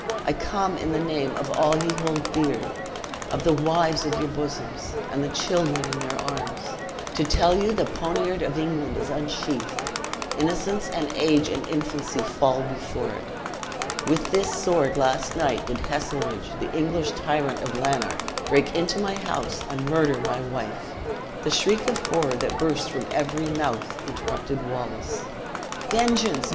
I come in the name of all ye hold dear, of the wives of you bosoms, and the children in their arms, to tell you the poniard of England is unsheathed innocence and age and infancy fall before it. With this sword, last night, did Heselrigge, the English tyrant of Lanark, break into my house, and murder my wife!" The shriek of horror that burst from every mouth, interrupted Wallace. "Vengeance!